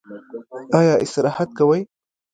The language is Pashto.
ایا استراحت کوئ؟